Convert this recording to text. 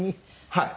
はい。